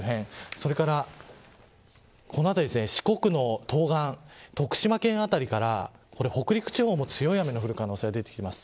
それから四国の東岸徳島県辺りから北陸地方も強い雨の降る可能性が出てきています。